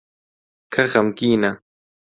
کە خەمگینە